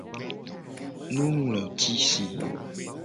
Nunglotisi.